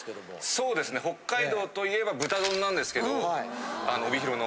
そうですね北海道といえば豚丼なんですけどあの帯広の。